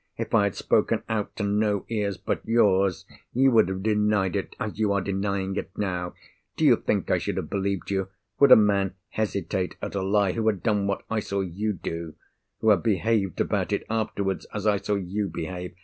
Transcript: If I had spoken out to no ears but yours, you would have denied it, as you are denying it now! Do you think I should have believed you? Would a man hesitate at a lie, who had done what I saw you do—who had behaved about it afterwards, as I saw you behave?